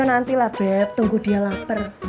nanti lah beb tunggu dia lapar